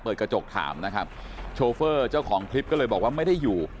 เปิดกระจกถามนะครับโชเฟอร์เจ้าของคลิปก็เลยบอกว่าไม่ได้อยู่